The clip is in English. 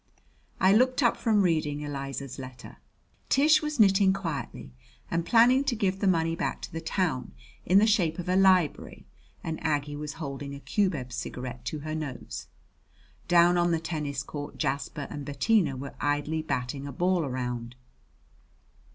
I looked up from reading Eliza's letter. Tish was knitting quietly and planning to give the money back to the town in the shape of a library, and Aggie was holding a cubeb cigarette to her nose. Down on the tennis court Jasper and Bettina were idly batting a ball round.